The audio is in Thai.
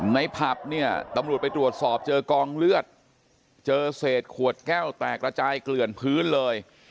ผับเนี่ยตำรวจไปตรวจสอบเจอกองเลือดเจอเศษขวดแก้วแตกระจายเกลื่อนพื้นเลย